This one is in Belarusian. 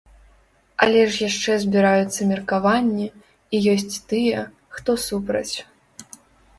Але ж яшчэ збіраюцца меркаванні, і ёсць тыя, хто супраць.